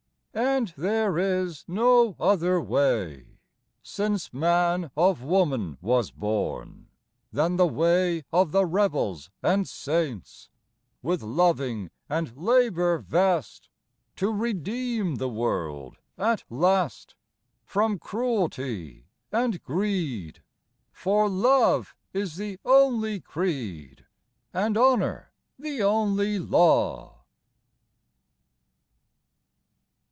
And there is no other way, Since man of woman was born, Than the way of the rebels and saints, With loving and labor vast, To redeem the world at last From cruelty and greed; For love is the only creed, And honor the only law.